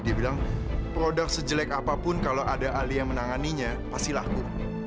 dia bilang produk sejelek apapun kalau ada ahli yang menanganinya pasti laku